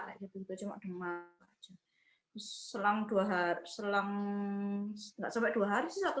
selang dua hari selang nggak sampai dua hari sih satu setengah